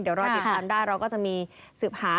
เดี๋ยวรอติดตามได้เราก็จะมีสืบหา